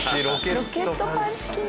ロケットパンチ機能。